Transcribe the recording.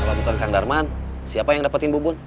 kalau bukan kang darman siapa yang dapatin bubun